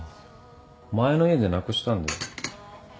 前の家でなくしたんで。